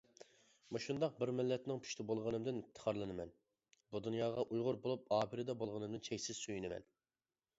مۇشۇنداق بىر مىللەتنىڭ پۇشتى بولغىنىمدىن ئىپتىخارلىنىمەن، بۇ دۇنياغا ئۇيغۇر بولۇپ ئاپىرىدە بولغىنىمدىن چەكسىز سۆيۈنىمەن.